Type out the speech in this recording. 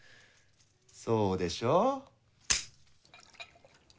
そうでしょう？